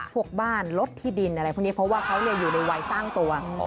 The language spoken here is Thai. พวกบ้านลดที่ดินอะไรพวกนี้เพราะว่าเขาอยู่ในวัยสร้างตัว